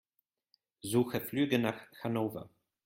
Suche Flüge nach Hannover.